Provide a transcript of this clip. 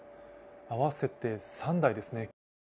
合わせて３台ですね。